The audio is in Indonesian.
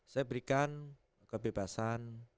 saya berikan kebebasan